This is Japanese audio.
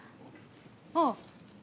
ああ。